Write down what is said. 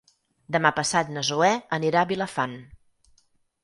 Demà passat na Zoè anirà a Vilafant.